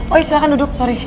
oi silahkan duduk sorry